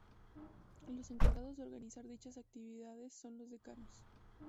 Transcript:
Los encargados de organizar dichas actividades son los decanos.